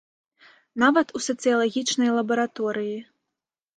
Нават у сацыялагічнай лабараторыі.